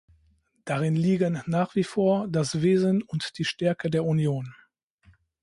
Darin liegen nach wie vor das Wesen und die Stärke der Union.